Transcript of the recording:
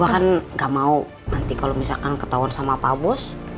gue kan gak mau nanti kalau misalkan ketahuan sama pak bos